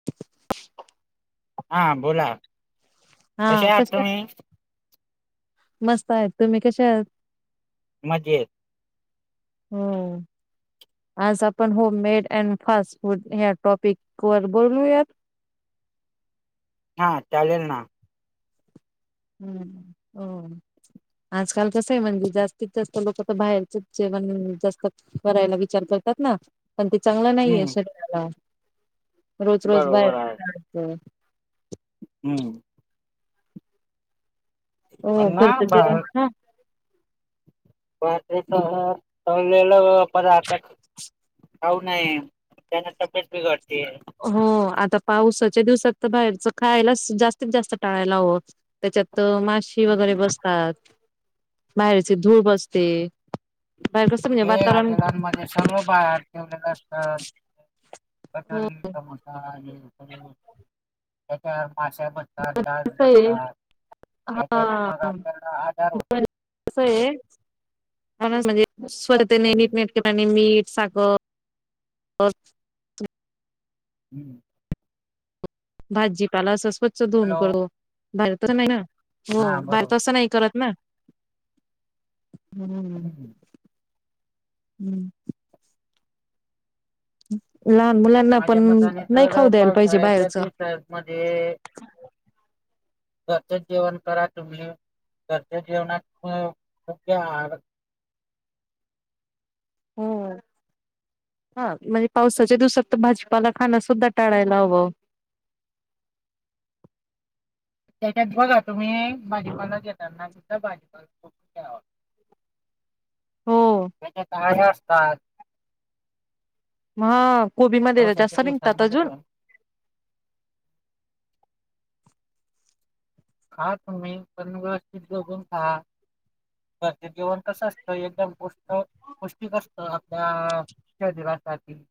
- [inaudible] हा बोला. हा कसे आहात कशात? तुम्ही मस्त आहेत. तुम्ही कशा आहात? मजेत. होव आज आपण home made and fast food या टॉपिक वर बोलूयात? हा चालेल ना हम्म हो आजकाल कसं आहे म्हणजे जास्तीत जास्त लोक तर बाहेरच जेवण जास्त करायला विचार करतात ना पण ते चांगलं नाहीये हम्म शरीराला रोज रोज बाहेरच खायचं हम् हो पण ना घरचं भा जेवण खा बाहेरच [unintelligible] तळलेले पदार्थ खाऊ नये त्यांन तब्येत बिघडतेय हो आता पावसाच्या दिवसात तर बाहेरच खायलाच जास्तीत जास्त टाळायला हवं त्याच्यात माशी वगैरे हम्म. बसतात बाहेरचे धूळ बसते बाहेर कस म्हणजे वाातवरण सर्व बाहेर ठेवलेलं असतं हो कचोरी समोसा हे ते त्याच्यावर माशा बस डास कसं आहे बसतात त्याच्यात मग आपल्याला आजार होते कस ये म्हणूनच म्हणजे स्पर्धने हम्म. नीट नेट [unintelligible] मीट साखरं हम भाजीपाला असं स्वच्छ धुवन हॅलो [unintelligible] तसं नाही ना हो हा बाहेर बरोबर तसं नाही करत ना हम्म हम्म लहान मुलाना माझ्या मताने तर पावसाळ्याच्या दिवसा मध्ये घरचचं जेवण करा तुम्ही घरच्या जेवनात [unintelligible] योग्य आहार हो हा म्हणजे पावसाच्या दिवसात तर भाजपाला खाण सुुद्धा टाळायला हवं त्याच्यात बघा तुम्ही भाजीपाला घेताना सुुद्धा भाजीपाला बघुन घ्यावा हो त्याचात आळ्या असतात मगं कोबी मध्ये पावसाच्या जास्त निघतात दिवसांमध्ये अजून पण खा तुम्ही पण व्यवस्थित बघून खा घरच जेवन कसं असतं एकदम पृष्ठ पौष्टिक असत आपल्या शरीरासाठी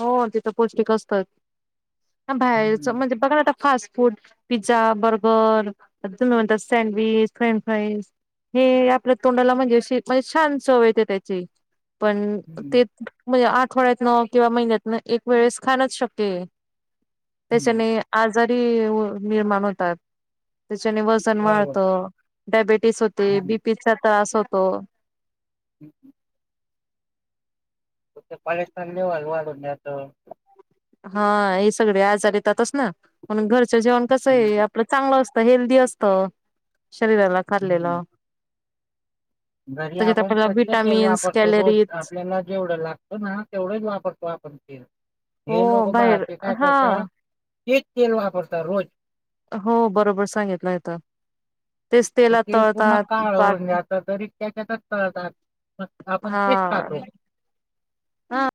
हो तिथं पौष्टिक असतचं बाहेरच हम्म म्हणजे बघाना आता फास्ट फूड पिझ्झा बर्गर तुम्ही म्हणतात सँडविच फ्रेंच फ्राईस हे आपल्या तोंडाला म्हणजे अशी म्हणजे छान चव येते त्याची पण हम्म ते म्हणजे आठवड्यातन किंवा महिन्यातन एक वेळेस खाणच शक्य आहे हम्म त्याच्याने आजारी अ निर्माण होतात त्याच्याने वजन बरोबर वाढतं डायबेटीस होते हम्म बीपीचा त्रास होतो [unintelligible] तुमचं कोलेस्टेरॉल लेवल वाढवुन येत हा हे सगळे आजार येतातच ना म्हणुन घरच जेवण कस आहे हम्म आपलं चांगलं असत हेल्दी असत शरीराला हम्म खाल्लेलं. घरी त्याच्यात आपण आपल्याला स्वच्छ तेल विटामिन्स वापरतो रोज कॅलरीज आपल्याला जेवढ लागत ना तेवढेच वापरतो आपण तेल हो हे लोक बाहेर बाहेरचे काय हा करता ते तेल वापरता रोज हो बरोबर सांगितलं हेेत ते तेल पूर्ण काळ पाक होउनं जात तरी त्याच्यातचं तळंतात आपण हा तेच खातो. हा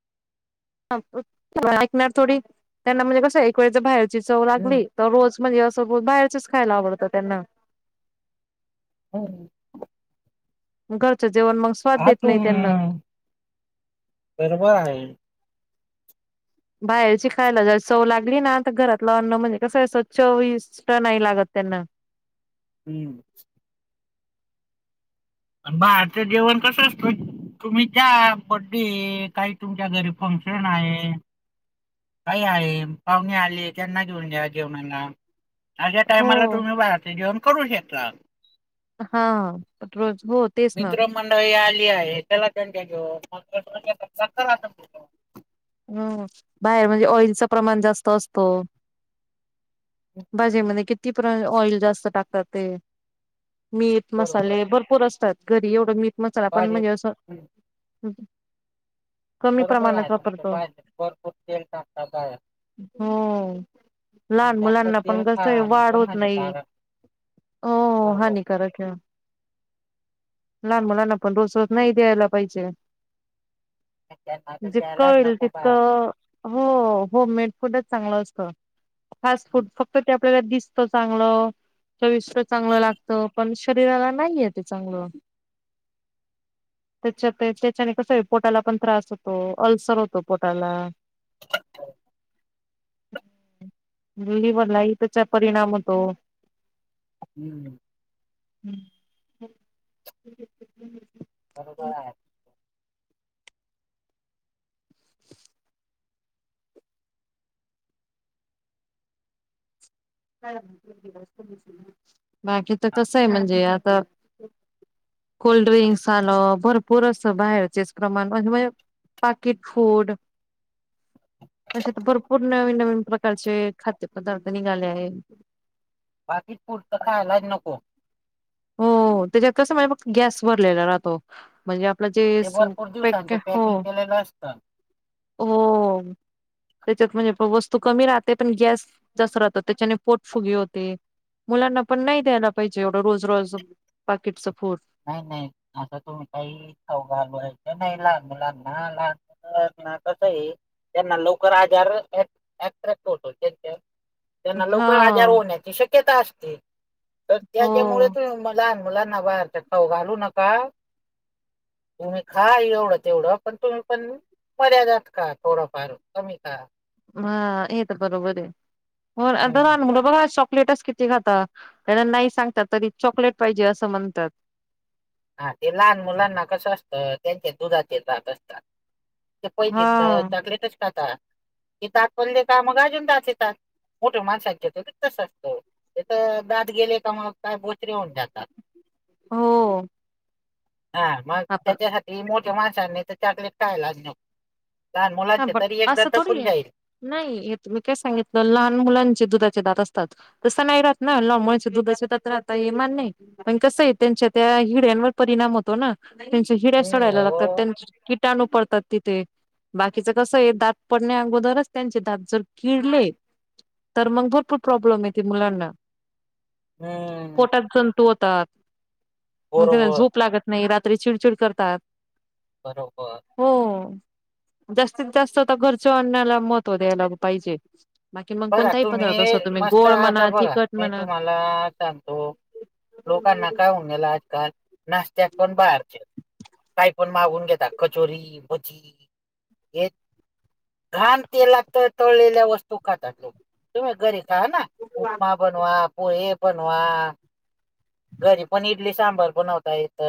ऐकणार थोडी त्यांना म्हणजे कसं एक वेळेच बाहेर चव हम्म. लागली तर रोज म्हणजे असं रज बाहेरच्याचं खायला आवडतं त्यांना हो. घरचं जेवण मग स्वाद हा देत तू नाही त्यांना निरबर आहे. बाहेरची खायला जर चव लागली ना आ घरातलं अन्न म्हणजे कसं असं चोवीस चव लागत नाही त्यांना हुम्म, बाहेरचं जेवण कसं असतं? तुम्हीच्या बर्थडे काही तुमच्या घरी फंक्शन आहे. काही आहे पाहुणे आले त्यांना घेऊन जायचं म्हणा अश्या हो टायमाला तुम्ही बाहेरचं जेवण करू शकता. हा रोज गोत मित्र मंडळी आली आहे त्याला दणक्या घेऊ मग [inaudible] ह बाहेर म्हणजे ऑइलचं प्रमाण जास्त असतो. भाजीमध्ये किती पर्य ऑइल जास्त टाकतात ते. मीठ बरोबर मसाले भरपूर असतात घरी एवढं मीठ मसाला पण भाजी म्हणजे असं ह कमी प्रमाणात वापरतो बाहेर भरपूर तेल टाकता बाहेर हो. लहान जास्त मुलांना तेल पण कसं आहे खाण वाढ पण होत नाही. हानिकारक हो हो बरोबर हानिकारक हाय. लहान मुलांना पण रोज रोज नाही द्यायला पाहिजे ना जितकं त्याला ना होईल [inaudible] तितकं हो हो होम मेड फूडच चांगलं असत फाट फूड फक्त त्या परत दिसतं चांगलं. चविष्ट चांगलं लागत पण शरीराला नाहीय ते चांगलं. त्याच्या त्याच्याने कसं पोटाला पण त्रास होतो अल्सर होतो. पोटाला? [unintelligible] मुलीवरलाही त्याचा परिणाम होतो. हुम्म, हुम्म, बरोबर आहे. बाकी कसं आहे म्हणजे आता कोल्ड्रिंक्स आलं भरपूर असं बाहेरचेच प्रमाण म पाकिट फूड तशाचे भरपूर नवीन - नवीन प्रकारचे खाद्यपदार्थ निघाले आहे. [unintelligible] बाकीच पुढतं खाहायलाच नको. हो त्याच्यात कसं म्हणजे फक्त गॅस भरलेला राहतो. म्हणजे- म्हणजे, ते भरपूर सोपेक दिवसांचं हो पॅकिंग केलेलं असतं हो. त्यांच्यात म्हणजे वस्तू कमी राहते पण गॅस जास्त राहतात त्याच्याने पोट फुगे होते. मुलांना पण नाही द्यायला पाहिजे एवढं, रोज रोज पाकीटचं फूड. नाही नाही असं तुम्ही काही- घालू नाही लाग लाग ना ला ना [inaudible] त्यांना लवकर आजार ऍट्रॅट होतो. त्यांना हा लवकर आजार होण्याची शक्यता असते, तर हो त्याच्यामुळे तुम्ही. लाहान मुलांना बाहेर च खाऊ घालू नका. तुम्ही खा एवढं तेवढं पण तुम्ही पण, मर्यादत खा थोडं फार कमी खा. हा येत बरोबर आहे, आता हम्म लहान मुलं बघा- चॉकलेटच किती खातात त्यांना नाही सांगतल तरी, चॉकलेट पाहिजे असं म्हणतात. हा ते लहान मुलांना कसं असतं त्यांच्या दुधाचे जात असतात. पहिली हा तर चॉकलेटच खाता, की दात पडले का मग अजून दास येतात. मोठे माणसां घेतो त तस असतो तेथ दात गेले का मग काय बोचरे होऊन जातात. हो हा मग आपण त्यांच्यासाठी मोठ्या माणसाांनी तर चाकलेट खयलाच नाको. लहान हा मुलांचे पण तरी एकदा असं थोडी तकून आहे. जाईल- नाही तुम्ही काय सांगितलं लहान मुलांचे दुधाचे दात असतात. तसं नाही राहत ना लहान मुलंच दुधाच्या राहता हे मान्य नाही. पण कसं आहे त्यांच्या त्या हिड्यांवर परिणाम होतो ना. त्यांच्या हिड्या नाही सडायला लागतात. हो. त्यांचे किटाणू पडतात तिथे. बाकीचं कसं आहे दात पडण्या अगोदरच त्यांचे दात जर किडले. तर मग भरपूर प्रॉब्लेम येते मुलांना. हम्म. पोटात जंतू होतात. मग त्याना बरोबर झोप लागत नाही. नाही रात्री चिडचिड करतात. बरोबर. हो जास्तीत जास्त आता घरचं आणण्याला महत्व द्यायला पाहिजे. बाकी मग कोणताही पदार्थ असो, तुम्ही गोळ म्हणा तखट म्हणा- मला सांगतो लोकांना काय होउन गेलं आजकाल. नाश्त्यात पण बाहेरचे, काही पण मागून घेेतात कचोरी बजी. हे घान तेलात तळलेल्या वस्तू- खातात लोक, तुम्ही घरी खा ना उपमा बनवा पोहे बनवा. घरी पण इडली सांबर बनवता येत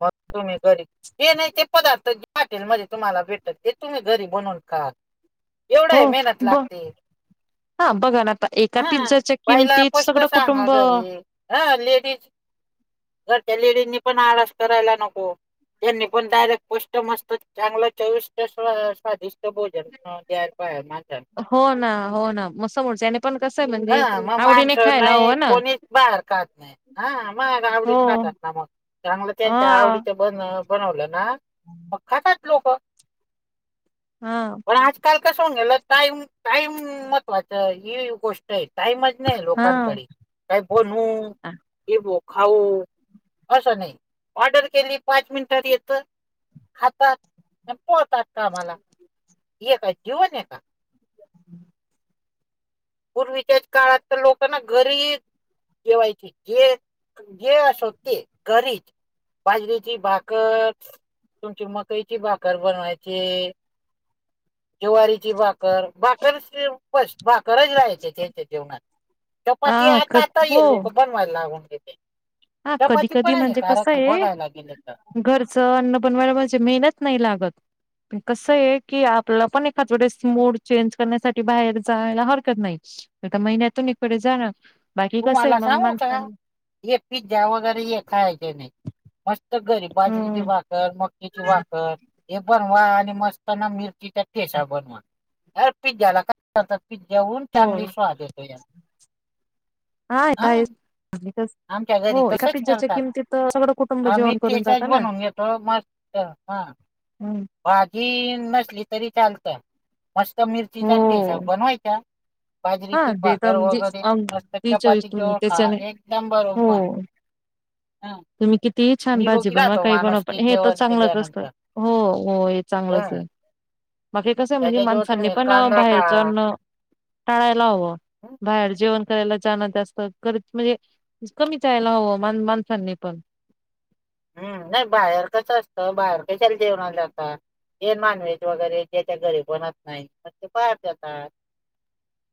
मग तुम्ही घरी हे नाही ते पदार्थ ज हॉटेलमध्येध्ये तुम्हाला भेटत ते तुम्ही घरी बनवून खा. एवढा हो आहे मेहनत ब लागते. हा बघा ना आता एका हा पिझ्झाच्या बाईला किमतीत स्पष्ट सगळं सांगा कुटुंब घरी हा लेडीज घरच्या लेडींनी पण आळास करायला नको. त्यांनी पण डायरेक्ट पोष्ट मस्त चांगलं चवीष्ट स्वादिष्ट. भोजन तर पाया माझ हो ना हो ना मग समोरच्याने पण [unintelligible] कसं म्हणजे हा मग आवडीने माणसं खायला नाही हवं ना कोणीच बाहेर खात नाही ह मग आ- हो [unintelligible] त्यामुळं त्यांच्या हा आवडीचं बन बनवलं ना मग खातात लोकं. हा पण आजकाल कस हो गेलं टाईम टाईम महत्वाचं ही गोष्ट आहे. टाईमच नाही हा लोकांकडे काही बनवू क बो खाऊ असं नाही ऑर्डर केली पाच मिनिटात येतं खातात आणि पळतात कामला ये का जीवन आहे का? [inaudible] पूर्वीच्याच काळात तर लोकांना घरीच जेवायचे जे जे असो ते घरीच बाजरीची भाकर तुमची मकईची भाकर बनवायचे जवारीची भाकर, भाकर असली की [inaudible] [inaudible] त्याच्या जेवनात चपाती हा क आता आताय हो लोकं [inaudible] हा कधी कधी म्हणजे कसं आहे बघायला गेले तर. घरचं अन्न बनवायला म्हणजे मेहनत नाही लागत. कसं आहे की आपलं पण एखाद्या वेळेस मोड चेंज करण्यासाठी बाहेर जायला हरकत नाही. तर का महिन्यातून इकडे जाणं बाकी कसं आहे तुम्हाला मग सांगू का माणसांनी हे पिझ्झा वगैरे हे खायचे नाही मस्त घरी हम्म बाजरीचे भाकर म कईची भाकर बनवा आणि मस्त ना मिरचीच्या ठेसा बनवा अर पिझ्जाला काय? पिझ्झ्याहून हो चांगली स्वाद येतो. हा येत आहे आमच्या घरी हो एका तसंच पिझ्झ्याच्या करतात किंमतीत सगळं कुटुंब आम्ही जेवण करून ठेचाच जाता ना. बनवून घेतो मस्त हा हम्! भाजी नसली तरी चालतं मस्त हो मिरचीचा ठेसा बनवायचा हा बाजरीचे देत भाकर अगदी वगैरे मस्त अगदी चपाती चविष्ट जवळ खा त्याच्याने एकदम हो बरोबर, हा! तुम्ही कितीही छान भाजी निरोगी बनवा राहतो काही बनवा माणूस ते पण हे तर जेवण चांगलंच असतं. केल्यानंतर हो हो, हे चांगलंच हा. आहे. बाकी कसं आहे म्हणजे त्याच्याजवळ माणसांनी तुम्ही पण कांदा खा बाहेरचं अन्न टाळायला हवं. हं. बाहेर जेवण करायला जाण जास्त कर म्हणजे कमी जायला हवं मान माणसांनी पण. हम्म, नाही बाहेर कसं असतं बाहेर कशाला जेवणाला जाता? हे नॉन व्हेज वगैरे ज्याच्या घरी बनत नाही तर ते बाहेर जातात.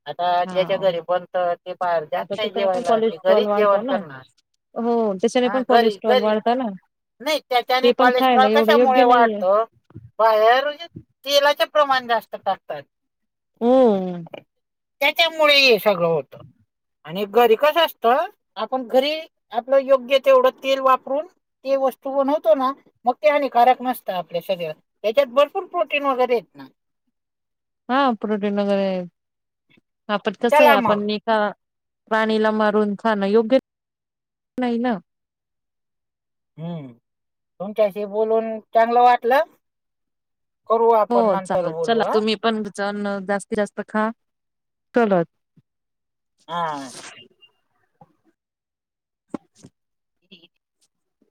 आता हा ज्याच्या घरी बनतं ते बाहेर जात आता नाही त्याच्याने पण जेवायला ते कोलेस्ट्रॉल घरीच वाढतो जेवण ना करणार. हो त्याच्याने हा पण घरी कॉलेस्ट्रॉल घरी वाढतं ना? नाही त्याच्याने ते पण खायला कॉलेस्ट्रॉल एवढं कशामुळे योग्य नाहीये वाढतो? बाहेर जे तेलाचे प्रमाण जास्त टाकतात. हम्म! त्याच्यामुळे हे सगळं होतं. आणि घरी कसं असतं आपण घरी आपलं योग्य तेवढं तेल वापरून ती वस्तू बनवतो ना मग ते हानिकारक नसतं आपल्या शरीर त्याच्यात भरपूर प्रोटीन वगैरे आहेत ना. हा प्रोटीन वगैरे आपण कसं आहे चला मग आपण प्राणीला मारून खाणं योग्य नाही ना. हम्म, तुमच्याशी बोलून चांगलं वाटलं. करू आपण नंतर बोलू हा. चण जास्तीत जास्त खा चलत हा. [unintelligible] ह.